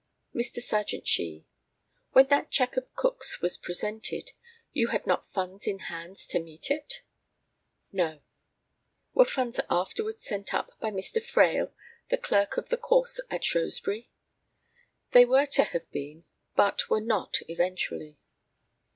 Mr. Serjeant SHEE: When that cheque of Cook's was presented, you had not funds in hands to meet it? No. Were funds afterwards sent up by Mr. Frail, the clerk of the course at Shrewsbury? They were to have been, but were not eventually.